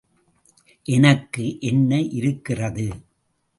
எனக்கு என்ன இருக்கிறது?